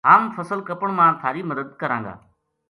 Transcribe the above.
ہم فصل کپن ما تھاری مدد کراں گا